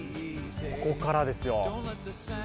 ここからですよ。